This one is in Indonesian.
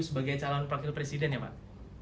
sebagai calon wakil presiden ya pak